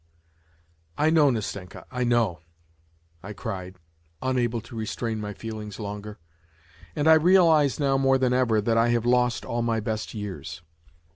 " I know, Nastenka, I know !" I cried, unable to restrain my feelings longer. " And I realize now, more than ever, that I have lost all my best years